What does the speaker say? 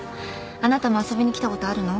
あなたも遊びに来たことあるの？